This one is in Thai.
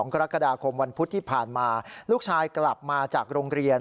กรกฎาคมวันพุธที่ผ่านมาลูกชายกลับมาจากโรงเรียน